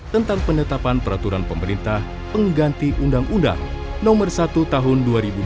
tentang penetapan peraturan pemerintah pengganti undang undang nomor satu tahun dua ribu dua puluh